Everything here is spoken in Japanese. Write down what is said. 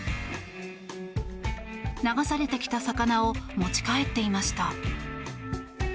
流されてきた魚を持ち帰っていました。